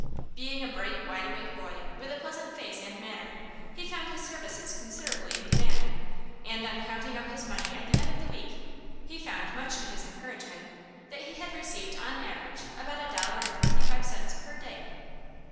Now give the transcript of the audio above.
Being a bright, wideawake boy, with a pleasant face and manner, he found his services considerably in demand; and on counting up his money at the end of the week, he found, much to his encouragement, that he had received on an average about a dollar and twenty five cents per day.